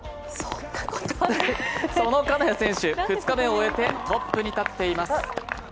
その金谷選手、２日目を終えてトップに立っています。